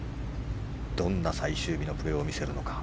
どんな最終日のプレーを見せるのか。